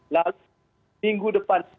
lalu minggu depan